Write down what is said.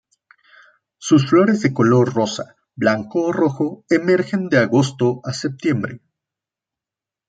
Sus flores de color rosa, blanco o rojo, emergen de agosto a septiembre.